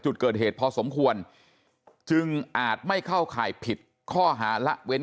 จุดเกิดเหตุพอสมควรจึงอาจไม่เข้าข่ายผิดข้อหาละเว้น